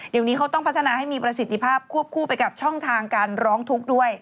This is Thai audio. เดี๋ยวนี้เขาต้องพัฒนาให้มีประสิทธิภาพควบคู่ไปกับช่องทางการร้องทุกข์ด้วย